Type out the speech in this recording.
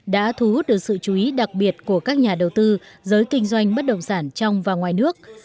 đã thu hút được sự chú ý đặc biệt của các nhà đầu tư giới kinh doanh bất động sản trong và ngoài nước